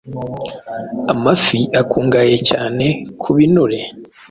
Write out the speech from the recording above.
Amafi akungahaye cyane ku binure